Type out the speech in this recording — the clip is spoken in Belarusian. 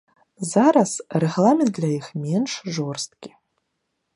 Зараз рэгламент для іх менш жорсткі.